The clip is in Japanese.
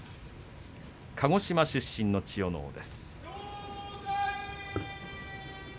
鹿児島出身の千代ノ皇です。